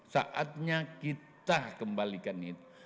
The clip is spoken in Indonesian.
saatnya kita kembalikan itu